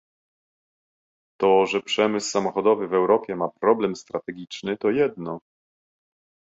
To, że przemysł samochodowy w Europie ma problem strategiczny, to jedno